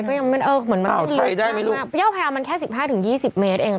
ดำไม่ให้ยาวพยาบาลมันแค่๑๕๒๐เมตรเอง